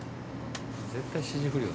絶対指示不良。